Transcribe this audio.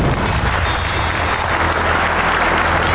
จะทำเวลาไหมครับเนี่ย